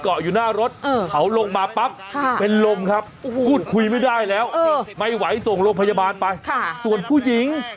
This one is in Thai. อยู่หน้ารถเขาลงมาปั๊บเป็นลมครับพูดคุยไม่ได้แล้วไม่ไหวส่งโรงพยาบาลไปส่วนผู้หญิง